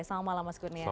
selamat malam mas kurnia